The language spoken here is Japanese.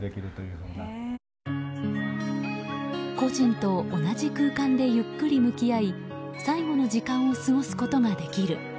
故人と同じ空間でゆっくり向き合い最後の時間を過ごすことができる。